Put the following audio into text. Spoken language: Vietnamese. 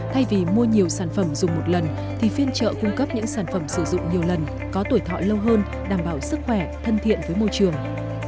thay vì mua nhiều sản phẩm dùng một lần thì phiên trợ cung cấp những sản phẩm sử dụng nhiều lần có tuổi thọ lâu hơn đảm bảo sức khỏe thân thiện với môi trường